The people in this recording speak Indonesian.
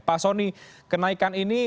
pak soni kenaikan ini